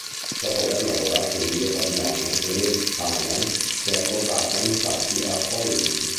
Dopo aver lavorato in "Rio Babilonia", Denise Dumont è approdata infatti a Hollywood.